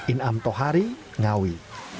in'am tohari ngawi